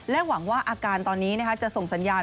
หวังว่าอาการตอนนี้จะส่งสัญญาณ